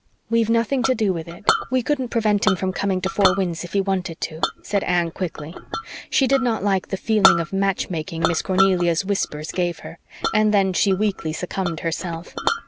"We've nothing to do with it we couldn't prevent him from coming to Four Winds if he wanted to," said Anne quickly. She did not like the feeling of match making Miss Cornelia's whispers gave her; and then she weakly succumbed herself.